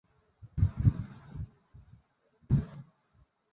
তিনি এলাহাবাদের ইংরেজি সংবাদপত্র "পাইওনিয়র"-এর অফিসে চাকরি গ্রহণ করেন।